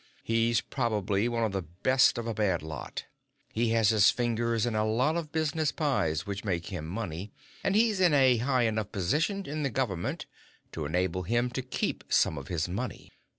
He's probably one of the best of a bad lot. He has his fingers in a lot of business pies which make him money, and he's in a high enough position in the government to enable him to keep some of his money.